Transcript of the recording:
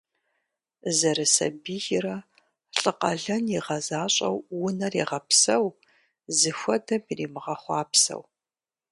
Зэрысабийрэ лӏы къалэн игъэзащӏэу унэр егъэпсэу, зыхуэдэм иримыгъэхъуапсэу.